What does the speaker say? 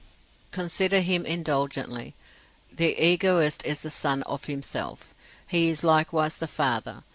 Consider him indulgently: the Egoist is the Son of Himself. He is likewise the Father.